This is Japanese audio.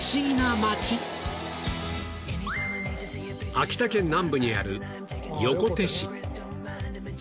秋田県南部にある横手市